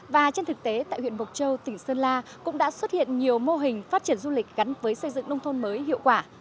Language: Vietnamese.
và trên thực tế tại huyện mộc châu tỉnh sơn la cũng đã xuất hiện nhiều mô hình phát triển du lịch gắn với xây dựng nông thôn mới hiệu quả